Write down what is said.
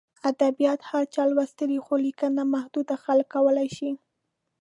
ادبیات هر چا لوستي، خو لیکنه محدود خلک کولای شي.